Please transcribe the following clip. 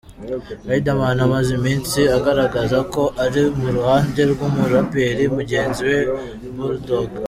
Riderman amaze iminsi agaragaza ko ari mu ruhande rw'umuraperi mugenzi we Bull Dogg.